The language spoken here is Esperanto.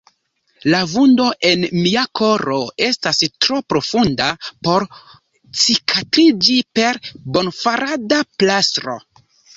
La vundo en mia koro estas tro profunda por cikatriĝi per bonfarada plastro.